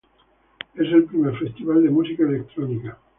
Es el primer festival de música electrónica.